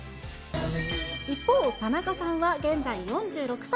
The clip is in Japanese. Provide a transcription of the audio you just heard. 一方、田中さんは現在４６歳。